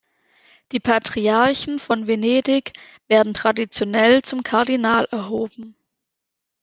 Die Patriarchen von Venedig werden traditionell zum Kardinal erhoben.